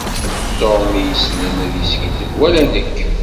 Tom i yessnen ad yeskiddeb wala nekk.